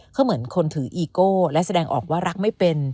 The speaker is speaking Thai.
เขาเหมือนคนถืออีโก้และแสดงออกว่ารักไม่เป็น